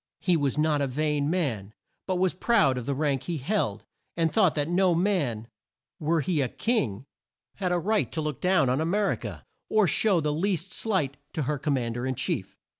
He was not a vain man, but was proud of the rank he held, and thought that no man were he a king had a right to look down on A mer i ca, or show the least slight to her Com mand er in chief.